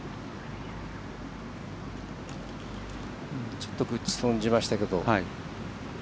ちょっと打ち損じましたけど